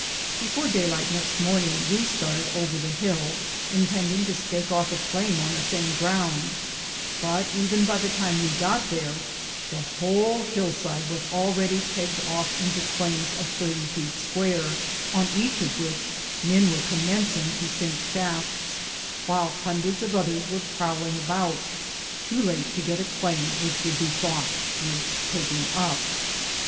Before day light next morning we started over the hill, intending to stake off a claim on the same ground ; but even by the time we got there, the whole hillside was already pegged off into claims of thirty feet square, on each of which men were commencing to sink shafts, while hundreds of others were prowling about, too late to get a claim which would be thought worth taking up.